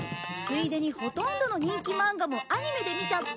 ついでにほとんどの人気マンガもアニメで見ちゃった。